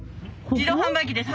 自動販売機です。